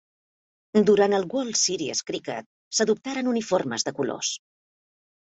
Durant el World Series Cricket, s'adoptaren uniformes de colors.